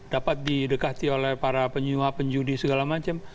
dapat didekati oleh para penyuap penjudi segala macam